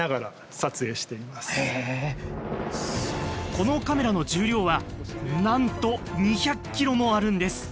このカメラの重量はなんと２００ｋｇもあるんです。